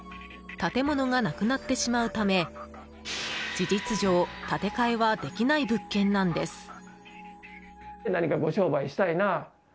建物がなくなってしまうため事実上、建て替えはできない物件なんです。